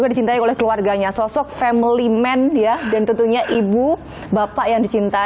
jadi lagunya begini mbak sinta